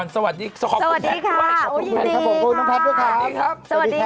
สวัสดีครับ